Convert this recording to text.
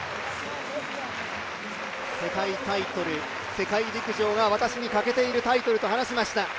世界タイトル、世界陸上が私に欠けているタイトルと話しました。